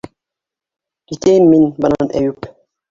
Китәйем мин бынан Әйүп.